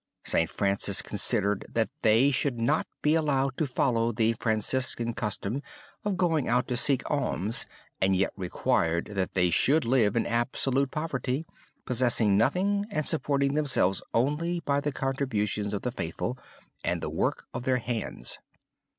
St. Francis considered that they should not be allowed to follow the Franciscan custom of going out to seek alms and yet required that they should live in absolute poverty, possessing nothing and supporting themselves only by the contributions of the faithful and the work of their hands.